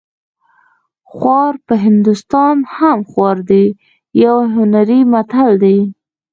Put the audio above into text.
خوار په هندوستان هم خوار دی یو هنري متل دی